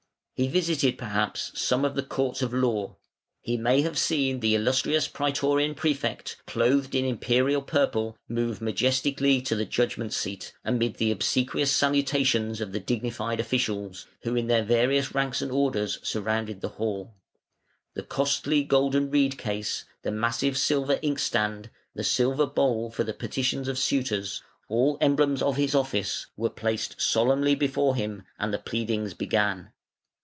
He visited perhaps some of the courts of law; he may have seen the Illustrious Prætorian Prefect, clothed in Imperial purple, move majestically to the judgment seat, amid the obsequious salutations of the dignified officials, who in their various ranks and orders surrounded the hall. The costly golden reed case, the massive silver inkstand, the silver bowl for the petitions of suitors, all emblems of his office, were placed solemnly before him, and the pleadings began.